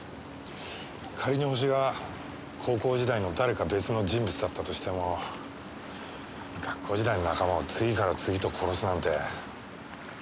仮にホシが高校時代の誰か別の人物だったとしても学校時代の仲間を次から次と殺すなんて。